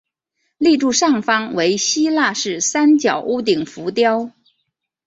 立柱上方为希腊式三角屋顶浮雕。